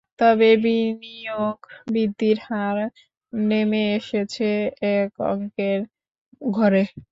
তবে বিনিয়োগ বৃদ্ধির হার নেমে এসেছে এক অঙ্কের ঘরে।